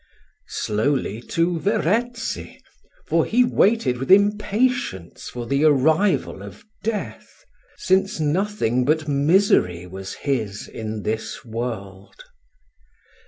Slowly to Verezzi; for he waited with impatience for the arrival of death, since nothing but misery was his in this world.